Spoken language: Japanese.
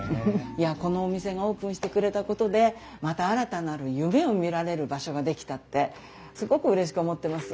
このお店がオープンしてくれたことでまた新たなる夢を見られる場所ができたってすごくうれしく思ってます。